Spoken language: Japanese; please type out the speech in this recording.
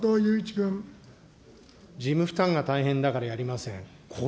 事務負担が大変だからやりません。